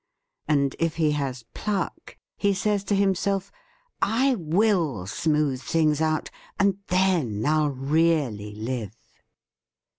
And if he has pluck he says to himself: "I will smooth things out, and then I'll really live."